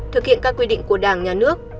thực hiện các quy định của đảng nhà nước